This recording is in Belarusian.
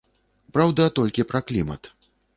Праўда толькі пра клімат.